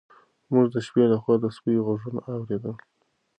موږ د شپې لخوا د سپیو غږونه اورېدل.